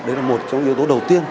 đấy là một trong yếu tố đầu tiên